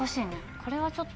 これはちょっと。